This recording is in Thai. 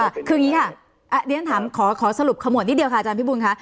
คืออย่างนี้ค่ะเรียนถามขอสรุปขมวดนิดเดียวค่ะอาจารย์พี่บุญค่ะ